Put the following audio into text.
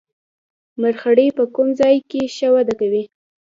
مرخیړي په کوم ځای کې ښه وده کوي